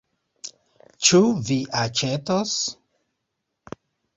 Ĉu vi aĉetos?